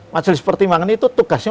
majelis pertimbangan itu tugasnya